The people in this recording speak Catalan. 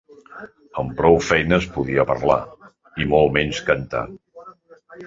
Amb prou feines podia parlar, i molt menys cantar.